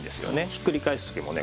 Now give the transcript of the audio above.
ひっくり返す時もね